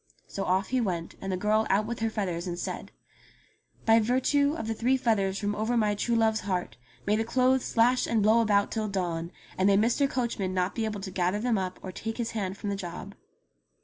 So off he went, and the girl out with her feathers and said :" By virtue of the three feathers from over my true love's heart may the clothes slash and blow about till dawn, and may Mr. Coachman not be able to gather them up or take his hand from the job."